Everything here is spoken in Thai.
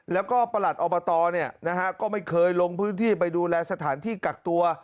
แล้วก็ประหลัดออปฏรเนี่ยนะฮะก็ไม่เคยลงพื้นที่ไปดูแลสถานที่กักตัว